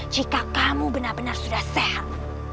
jika kamu benar benar sudah sehat